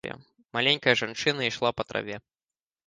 Маленькая жанчына ішла па траве.